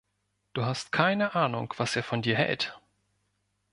Du hast keine Ahnung, was er von dir hält!